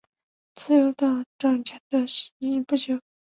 自由党掌权的时日不久。